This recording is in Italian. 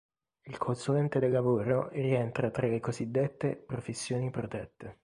Il consulente del lavoro rientra tra le cosiddette professioni protette.